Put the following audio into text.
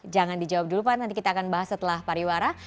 jangan dijawab dulu pak nanti kita akan bahas setelah pariwara